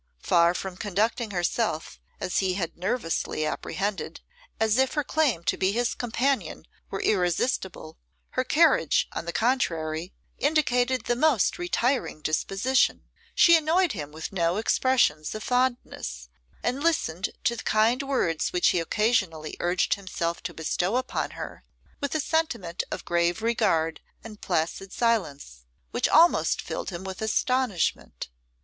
Far from conducting herself, as he had nervously apprehended, as if her claim to be his companion were irresistible, her carriage, on the contrary, indicated the most retiring disposition; she annoyed him with no expressions of fondness, and listened to the kind words which he occasionally urged himself to bestow upon her with a sentiment of grave regard and placid silence, which almost filled him with astonishment.